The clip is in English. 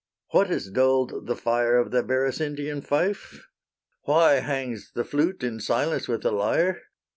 What has dull'd the fire Of the Berecyntian fife? Why hangs the flute in silence with the lyre?